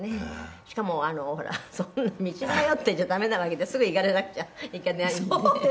「しかもほらそんな道に迷っていちゃ駄目なわけですぐ行かれなくちゃいけないんで」